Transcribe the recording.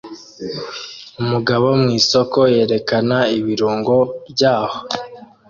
Umugabo mwisoko yerekana ibirungo byaho